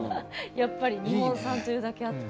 やっぱり日本産というだけあって。